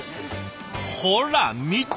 ほら見て！